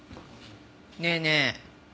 ねえねえ